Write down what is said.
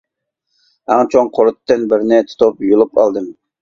ئەڭ چوڭ قۇرۇتتىن بىرنى تۇتۇپ يۇلۇپ ئالدىم.